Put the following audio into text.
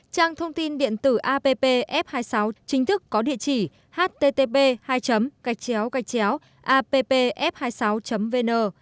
trang thông tin điện tử appf hai mươi sáu chính thức có địa chỉ http appf hai mươi sáu vn